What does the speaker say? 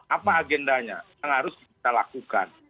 apa agendanya yang harus kita lakukan